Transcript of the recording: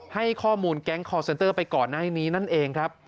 ให้ข้อมูลแก๊งคอร์เซนเตอร์ไปก่อนหน้านี้นั่นเองครับ